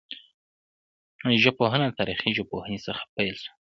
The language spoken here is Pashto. ژبپوهنه د تاریخي ژبپوهني څخه پیل سوه.